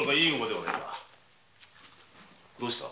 どうした？